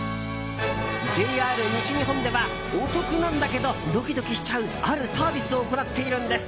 ＪＲ西日本では、お得なんだけどドキドキしちゃうあるサービスを行っているんです。